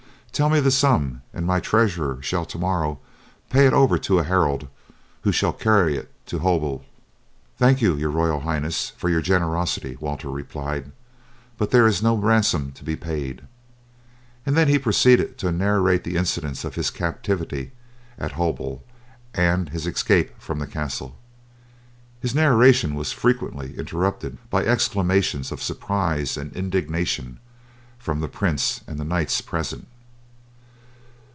Tell me the sum and my treasurer shall tomorrow pay it over to a herald, who shall carry it to Holbeaut." "Thanks, your Royal Highness, for your generosity," Walter replied, "but there is no ransom to be paid." And he then proceeded to narrate the incidents of his captivity at Holbeaut and his escape from the castle. His narration was frequently interrupted by exclamations of surprise and indignation from the prince and knights present.